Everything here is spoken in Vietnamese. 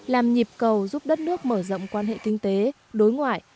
làm nhịp cầu giúp đất nước mở rộng quan hệ kinh tế đối ngoại